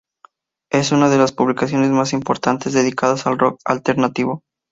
Es una de las publicaciones más importantes dedicadas al rock alternativo.